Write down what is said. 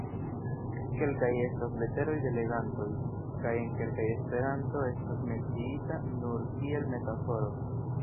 Kelkaj estas leteroj de legantoj, kaj en kelkaj Esperanto estas menciita nur kiel metaforo.